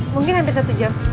mungkin hampir satu jam